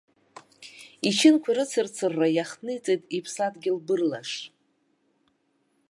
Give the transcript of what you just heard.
Ичынқәа рыцырцырра иахҭниҵеит иԥсадгьыл бырлаш!